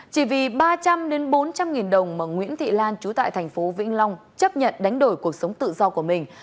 chỉ vì ba trăm linh bốn trăm linh nghìn đồng mà nguyễn thị lan chú tại thành phố vĩnh long chấp nhận đánh đổi cuộc sống tự do của mình